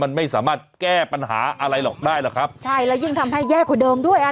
มันไม่สามารถแก้ปัญหาอะไรหรอกได้หรอกครับใช่แล้วยิ่งทำให้แย่กว่าเดิมด้วยอ่ะ